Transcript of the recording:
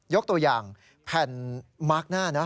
ยกตัวอย่างแผ่นมาร์คหน้านะ